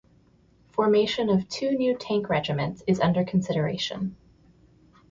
Formation of two new tank regiments is under consideration.